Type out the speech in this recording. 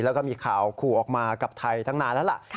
แล้วก็มีข่าวขู่ออกมากับไทยตั้งนานแล้วล่ะ